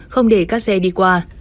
không để các xe đi qua